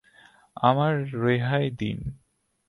আমায় রেহাই দিন।